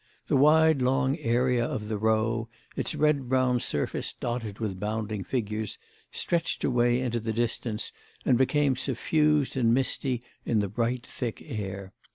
The wide long area of the Row, its red brown surface dotted with bounding figures, stretched away into the distance and became suffused and misty in the bright thick air.